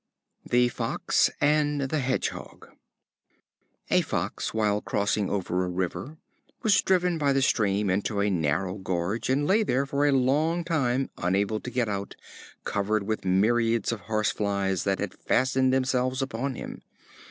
The Fox and the Hedgehog. A Fox, while crossing over a river, was driven by the stream into a narrow gorge, and lay there for a long time unable to get out, covered with myriads of horse flies that had fastened themselves upon him.